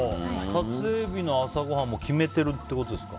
撮影日の朝ごはんを決めてるってことですか。